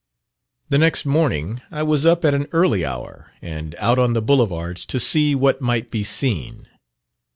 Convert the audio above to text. The next morning I was up at an early hour, and out on the Boulevards to see what might be seen.